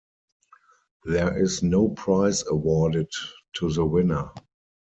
There is no prize awarded to the winner.